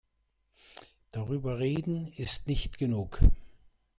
Darüber reden, ist nicht genug.